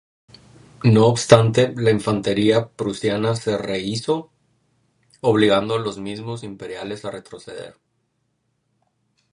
No obstante, la infantería prusiana se rehízo, obligando a los mismos imperiales a retroceder.